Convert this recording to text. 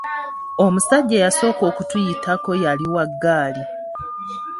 Omusajja eyasooka okutuyitako yali wa kagaali.